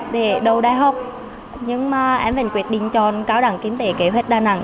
để đầu đại học nhưng mà em vẫn quyết định chọn cao đẳng kinh tế kế hoạch đà nẵng